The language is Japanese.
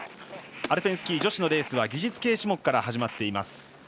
アルペンスキー女子のレースは技術系種目から始まっています。